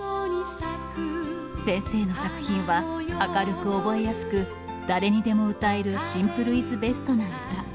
先生の作品は明るく覚えやすく、誰にでも歌える、シンプルイズベストな歌。